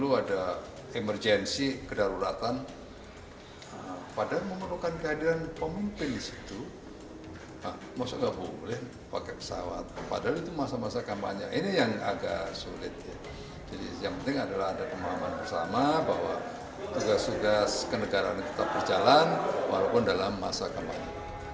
jadi yang penting adalah ada pemahaman bersama bahwa tugas tugas kenegaraan kita berjalan walaupun dalam masa kampanye